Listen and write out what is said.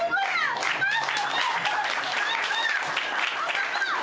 男！